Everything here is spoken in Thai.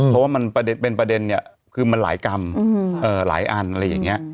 เพราะว่ามันเป็นประเด็นเนี่ยคือมันหลายกรรมหลายอันอะไรอย่างนี้